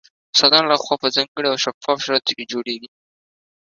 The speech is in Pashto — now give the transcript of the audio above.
استادانو له خوا په ځانګړو او شفاف شرایطو کې جوړیږي